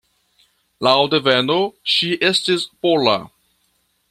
Laŭ deveno ŝi estis pola.